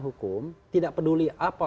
hukum tidak peduli apa